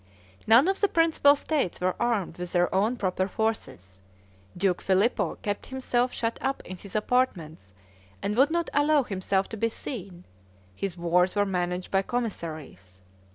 None of the principal states were armed with their own proper forces. Duke Filippo kept himself shut up in his apartments, and would not allow himself to be seen; his wars were managed by commissaries.